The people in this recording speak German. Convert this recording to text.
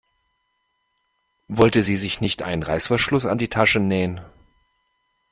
Wollte sie sich nicht einen Reißverschluss an die Tasche nähen?